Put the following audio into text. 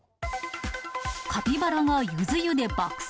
カピバラがゆず湯で爆睡。